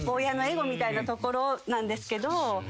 親のエゴみたいなところなんですけど。